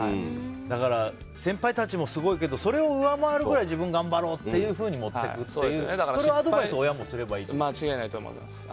だから先輩たちもすごいけどそれを上回るぐらい自分が頑張ろうというふうに持っていくというアドバイスを親もすればいいということですね。